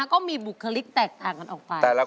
ร้องเข้าให้เร็ว